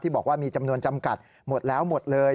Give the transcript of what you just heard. บอกว่ามีจำนวนจำกัดหมดแล้วหมดเลย